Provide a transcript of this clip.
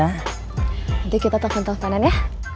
nanti kita telfon telfonan ya